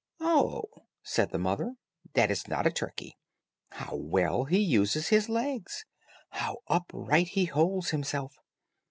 "Oh," said the mother, "that is not a turkey; how well he uses his legs, and how upright he holds himself!